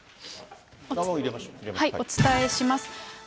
お伝えします。